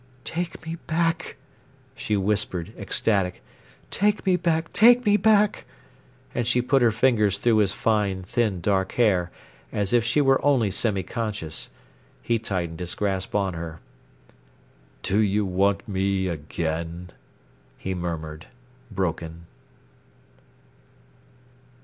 "Take me back!" she whispered, ecstatic. "Take me back, take me back!" And she put her fingers through his fine, thin dark hair, as if she were only semi conscious. He tightened his grasp on her. "Do you want me again?" he murmured, broken.